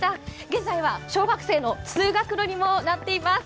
現在は小学生の通学路にもなっています。